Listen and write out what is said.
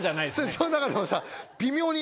その中でもさ。